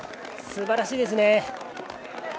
すばらしいですね。